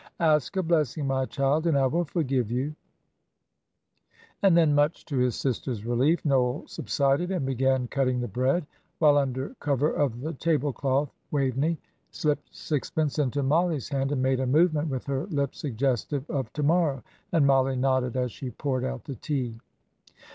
"Ask a blessing, my child, and I will forgive you;" and then, much to his sister's relief, Noel subsided, and began cutting the bread, while under cover of the table cloth, Waveney slipped sixpence into Mollie's hand, and made a movement with her lips suggestive of "to morrow;" and Mollie nodded as she poured out the tea.